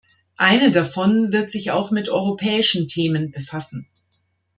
Eine davon wird sich auch mit europäischen Themen befassen.